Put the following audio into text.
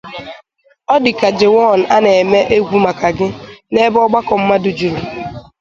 Ọ dị ka Jaywon a na-eme egwu maka gị, n'ebe ọgbakọ mmadụ juru.